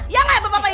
ya gak ya bapak ibu